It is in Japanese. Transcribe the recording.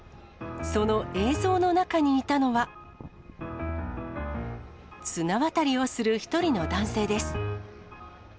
その映像の中にいたのは、綱渡りをする１人の男性です。